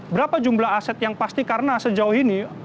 berapa jumlah aset yang pasti karena sejauh ini